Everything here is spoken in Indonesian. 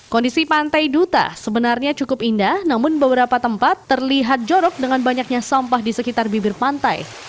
kondisi pantai duta sebenarnya cukup indah namun beberapa tempat terlihat jorok dengan banyaknya sampah di sekitar bibir pantai